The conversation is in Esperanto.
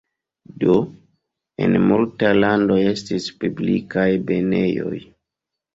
Do en multaj landoj estis publikaj banejoj.